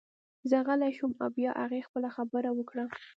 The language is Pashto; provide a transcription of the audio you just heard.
زه غلی شوم او بیا هغې خپله خبره وکړه